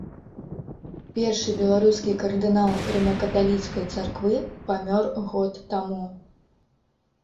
Першы беларускі кардынал рыма-каталіцкай царквы памёр год таму.